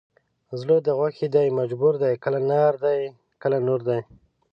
زړه د غوښې دی مجبور دی کله نار دی کله نور دی